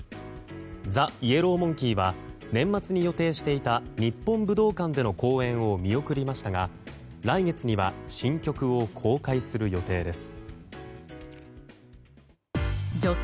ＴＨＥＹＥＬＬＯＷＭＯＮＫＥＹは年末に予定していた日本武道館での公演を見送りましたが、来月には新曲を公開する予定です。